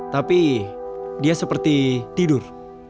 tapi dia seperti tidur